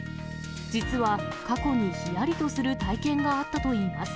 実は、過去にひやりとする体験があったといいます。